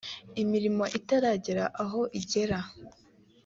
imirimo itaragera aho igera